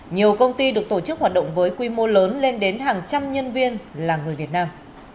nhiều công ty được tổ chức hoạt động với quy mô lớn lên đến hàng trăm nhân viên là người việt nam